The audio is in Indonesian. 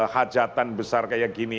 hajatan besar kayak gini